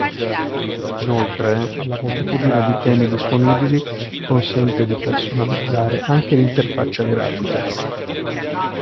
Inoltre, la moltitudine di temi disponibili consente di personalizzare anche l'interfaccia grafica.